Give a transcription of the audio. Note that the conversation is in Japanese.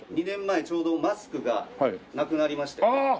２年前ちょうどマスクがなくなりましたよね？